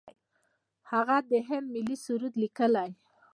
هغه د هند ملي سرود لیکلی.